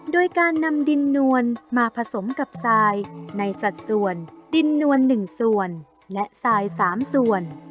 โดยการนำดินนวลมาผสมกับสายในสัตว์ส่วนดินนวลหนึ่งส่วนและสายสามส่วน